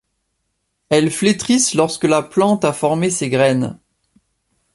Elles flétrissent lorsque la plante a formé ses graines.